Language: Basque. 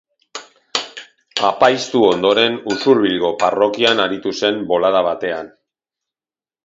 Apaiztu ondoren, Usurbilgo parrokian aritu zen bolada batean.